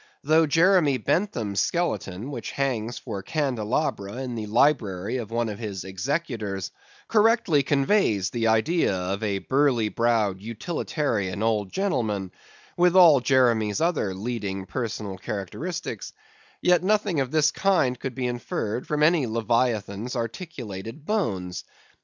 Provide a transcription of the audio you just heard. Though Jeremy Bentham's skeleton, which hangs for candelabra in the library of one of his executors, correctly conveys the idea of a burly browed utilitarian old gentleman, with all Jeremy's other leading personal characteristics; yet nothing of this kind could be inferred from any leviathan's articulated bones.